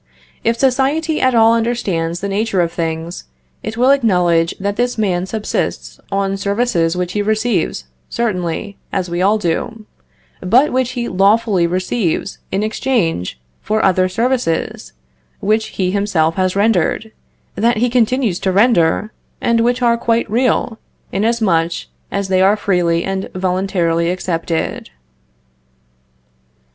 If society at all understands the nature of things, it will acknowledge that this man subsists on services which he receives certainly (as we all do), but which he lawfully receives in exchange for other services, which he himself has rendered, that he continues to render, and which are quite real, inasmuch as they are freely and voluntarily accepted.